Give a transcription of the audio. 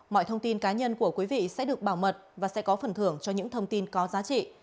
mọi thông tin cá nhân của quý vị sẽ được bảo mật và sẽ có phần thưởng cho những thông tin có giá trị